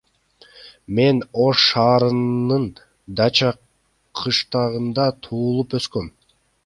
Мен Ош шаарынын Дача кыштагында туулуп өскөм.